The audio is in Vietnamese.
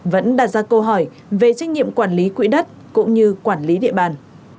vẫn đặt ra câu hỏi về trách nhiệm quản lý quỹ đất cũng như quản lý địa bàn